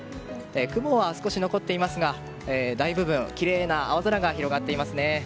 雲は少し残っていますが大部分、きれいな青空が広がっていますね。